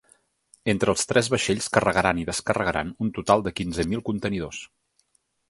Entre els tres vaixells carregaran i descarregaran un total de quinze mil contenidors.